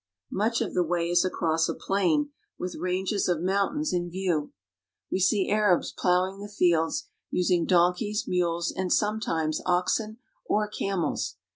Much of the way is across a plain, with ranges of mountains in view. We see Arabs plowing the fields, using donkeys, mules, and sorae s oxen or camels.